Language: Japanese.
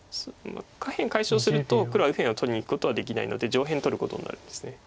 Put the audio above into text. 下辺解消すると黒は右辺を取りにいくことはできないので上辺取ることになるんです。